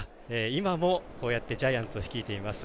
今もこうやってジャイアンツを率いています